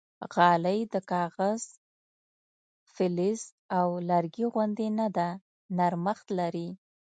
غالۍ د کاغذ، فلز او لرګي غوندې نه ده، نرمښت لري.